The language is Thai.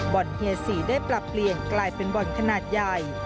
บ่อนเฮียสีได้ปรับเปลี่ยนกลายเป็นบ่อนขนาดใหญ่